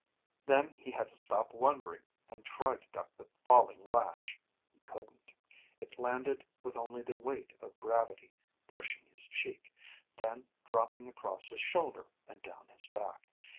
Then he had to stop wondering and try to duck the falling lash. He couldn't. It landed with only the weight of gravity, brushing his cheek, then dropping across his shoulder and down his back.